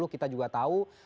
kita juga tahu